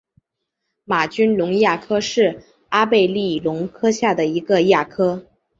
玛君龙亚科是阿贝力龙科下的一个亚科。